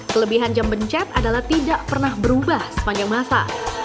kelebihan jam bencet adalah tidak pernah berubah sepanjang masa